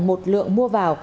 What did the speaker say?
một lượng mua vào